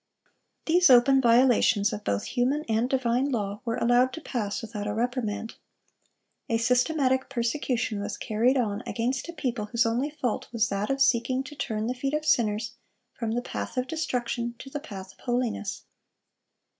These open violations of both human and divine law were allowed to pass without a reprimand. A systematic persecution was carried on against a people whose only fault was that of seeking to turn the feet of sinners from the path of destruction to the path of holiness.